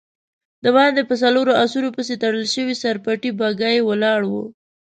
د باندی په څلورو آسونو پسې تړل شوې سر پټې بګۍ ولاړه وه.